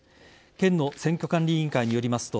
県の選挙管理委員会によりますと